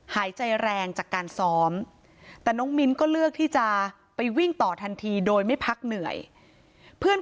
หายใจแรงจากการซ้อมแต่น้องมิ้นก็เลือกที่จะไปวิ่งต่อทันทีโดยไม่พักเหนื่อยเพื่อน